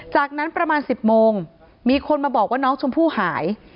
จากนั้นประมาณ๑๐โมงมีคนมาบอกว่าน้องชมพู่หาย